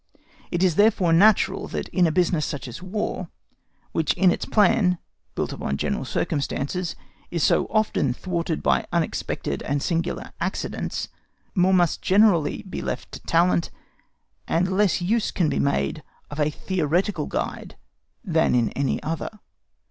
It is therefore natural that in a business such as War, which in its plan—built upon general circumstances—is so often thwarted by unexpected and singular accidents, more must generally be left to talent; and less use can be made of a theoretical guide than in any other.